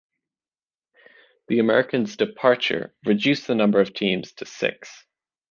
The Americans departure reduced the number of teams to six.